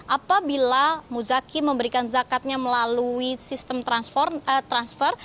apabila muzaki memberikan zakatnya melalui sistem transfer